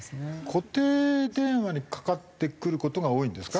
固定電話にかかってくる事が多いんですか？